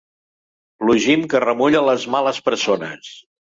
Plugim que remulla les males persones.